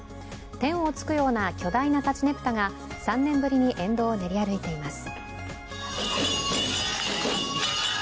天を突くような巨大な立佞武多が３年ぶりに沿道を練り歩いています